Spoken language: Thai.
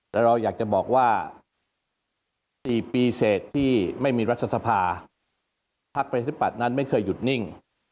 แต่เราอยากจะบอกว่า๔ปีเสร็จที่ไม่มีรัฐสภาพประชาธิปัตย์นั้นไม่เคยหยุดนิ่ง